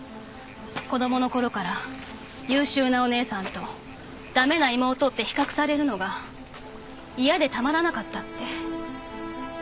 子供のころから優秀なお姉さんと駄目な妹って比較されるのが嫌でたまらなかったって。